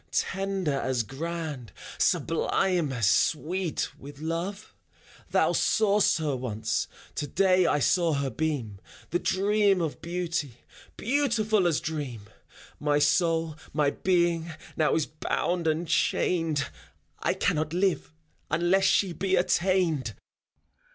Tender as grand, sublime as sweet with loveT Thou saw'st her once ; to day I saw her beam. The dream of Beauty, beautiful as Dream! My soul, my being, now is bound and chained; I cannot live, unless she be attained.